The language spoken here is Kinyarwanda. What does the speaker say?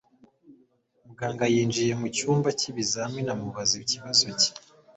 Muganga yinjiye mucyumba cy'ibizamini amubaza ikibazo cye.